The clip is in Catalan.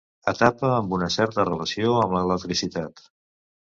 Etapa amb una certa relació amb l'electricitat.